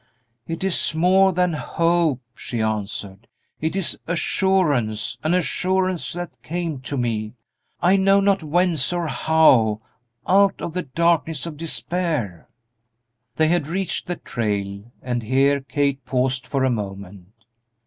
"It is more than hope," she answered, "it is assurance; an assurance that came to me, I know not whence or how, out of the darkness of despair." They had reached the trail, and here Kate paused for a moment.